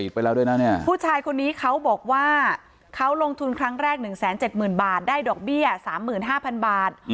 ผู้ชายคนนี้เขาบอกว่าเขาลงทุนครั้งแรก๑๗๐๐๐๐บาทได้ดอกเบี้ย๓๕๐๐๐บาท